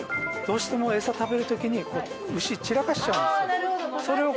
どうしても餌食べる時に牛散らかしちゃうんですよ。